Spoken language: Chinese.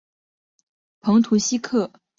蓬图希克是巴西米纳斯吉拉斯州的一个市镇。